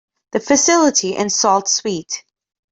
The facility in Sault Ste.